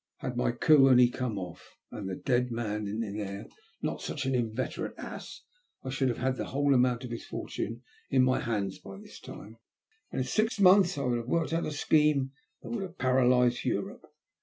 Had my coup only come off, and the dead man in there not been such an inveterate ass, I should have had the whole amount of his fortune in my hands by this time, and in six months I would have worked out a scheme that would have paralyzed Europe.